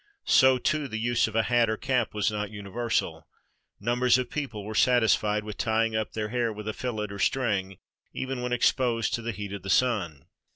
So, too, the use of a hat or cap was not universal. Numbers of people were satisfied with tying up their hair with a fillet or string, even when exposed to the heat of the sun.